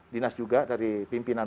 dinas juga dari pimpinan